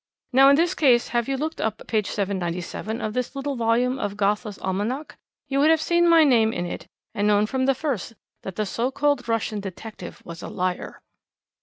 Now in this case had you looked up page 797 of this little volume of Gotha's Almanach you would have seen my name in it and known from the first that the so called Russian detective was a liar.'